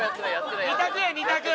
２択や２択！